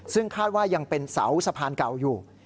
ซึ่งคาดว่ายังเป็นเสาสะพานเก่าอยู่